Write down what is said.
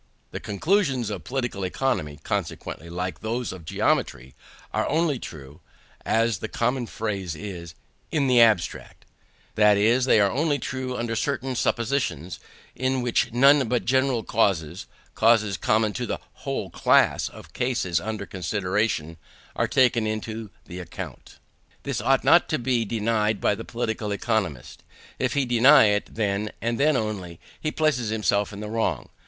The conclusions of Political Economy, consequently, like those of geometry, are only true, as the common phrase is, in the abstract; that is, they are only true under certain suppositions, in which none but general causes causes common to the whole class of cases under consideration are taken into the account. This ought not to be denied by the political economist. If he deny it, then, and then only, he places himself in the wrong.